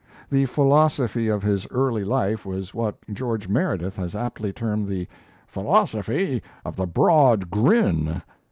The philosophy of his early life was what George Meredith has aptly termed the "philosophy of the Broad Grin."